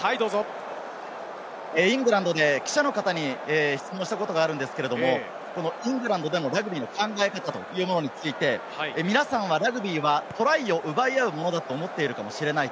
イングランドで記者の方に質問したことがあるんですけれどイングランドでのラグビーの考え方について、皆さんはラグビーはトライを奪い合うものだと思っているかもしれない。